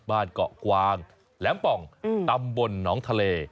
บ้านเกาะกวางแหลมป่องตำบลหนองทะเล